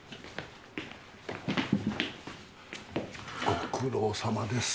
ご苦労さまです。